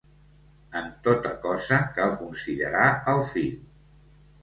En tota cosa cal considerar el fi.